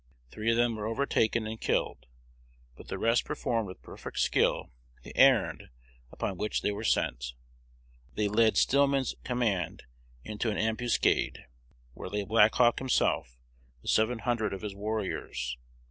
Three of them were overtaken and killed: but the rest performed with perfect skill the errand upon which they were sent; they led Stillman's command into an ambuscade, where lay Black Hawk himself with seven hundred of his warriors.